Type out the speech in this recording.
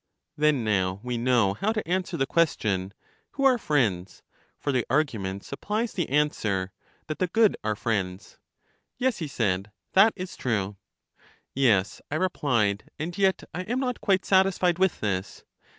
Then now we know how to answer the question " Who are friends? " for the argument supplies the answer, " That the good are friends." Yes, he said, that is true. Yes, I replied; and yet I am not quite satisfied with this.